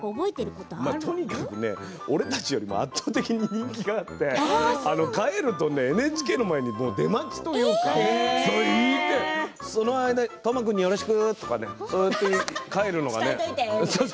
とにかく俺たちよりも圧倒的に人気があって帰るとＮＨＫの前に出待ちというかその間に斗真君によろしくと言われて帰るのがね。